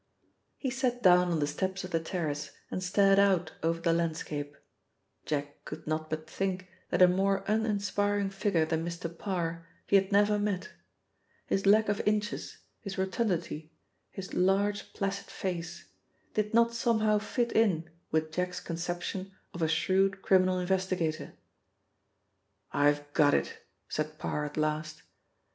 He sat down on the steps of the terrace and stared out over the landscape. Jack could not but think that a more uninspiring figure than Mr. Parr he had never met. His lack of inches, his rotundity, his large placid face, did not somehow fit in with Jack's conception of a shrewd criminal investigator. "I've got it," said Parr at last.